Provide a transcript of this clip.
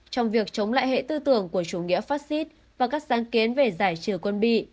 trong việc chống lại hệ tư tưởng của chủ nghĩa phát xít và các sáng kiến về giải trừ quân bị